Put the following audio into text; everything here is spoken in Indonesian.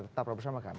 tetap bersama kami